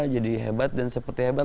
jadi hebat dan seperti hebat